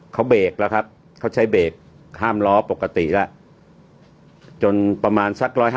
เขาเบรกแล้วครับเขาใช้เบรกห้ามล้อปกติแล้วจนประมาณสัก๑๕